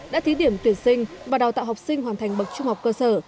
đã thí điểm tuyển sinh và đào tạo học sinh hoàn thành bậc trung học cơ sở